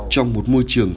trong một môi trường